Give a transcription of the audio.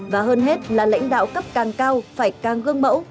và hơn hết là lãnh đạo cấp càng cao phải càng gương mẫu